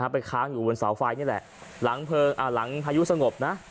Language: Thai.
ไปค้างอยู่บนเสาไฟนี่แหละหลังพายุสงบนะ